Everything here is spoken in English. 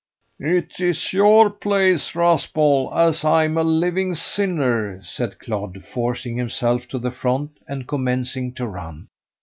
"It's your place, Raspall, as I'm a living sinner," said Clodd, forcing himself to the front and commencing to run.